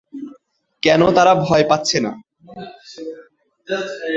কেন তারা ভয় পাচ্ছে না?